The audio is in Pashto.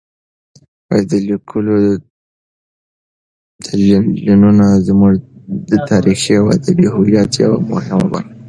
د لیکوالو تلینونه زموږ د تاریخي او ادبي هویت یوه مهمه برخه ده.